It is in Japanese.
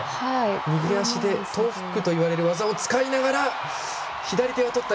右足でトウフックと呼ばれる技を使いながら左手をとった。